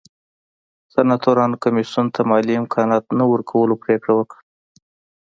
سناتورانو کمېسیون ته مالي امکاناتو نه ورکولو پرېکړه وکړه